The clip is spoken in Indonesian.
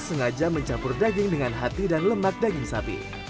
sengaja mencampur daging dengan hati dan lemak daging sapi